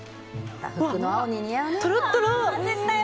とろっとろ！